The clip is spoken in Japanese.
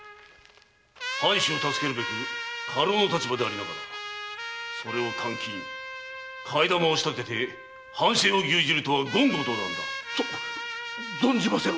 藩主を助けるべく家老の立場でありながらそれを監禁替え玉を仕立てて藩政を牛耳るとは言語道断！ぞ存じませぬ。